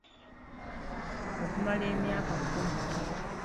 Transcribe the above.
Okumala emyaka kkumi.